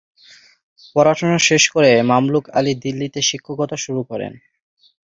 পড়াশোনা শেষ করে মামলুক আলী দিল্লিতে শিক্ষকতা শুরু করেন।